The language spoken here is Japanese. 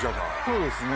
そうですね。